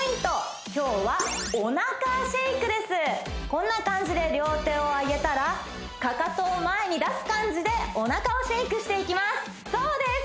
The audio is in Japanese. こんな感じで両手を上げたらかかとを前に出す感じでお腹をシェイクしていきますそうです！